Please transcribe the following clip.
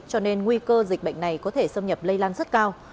cho nên nguy cơ dịch bệnh này có thể xâm nhập lây lan rất cao